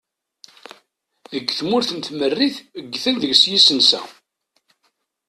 Deg tmurt n tmerrit ggten deg-s yisensa.